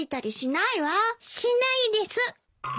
しないです。